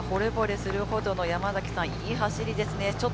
ほれぼれするほどの、いい走りですね。